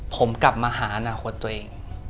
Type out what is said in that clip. ผมกลับมาหาอนาคตตัวเอง